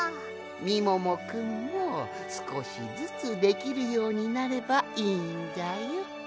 みももくんもすこしずつできるようになればいいんじゃよ。